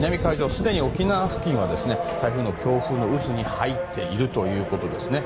すでに沖縄付近は台風の強風の渦に入っているということです。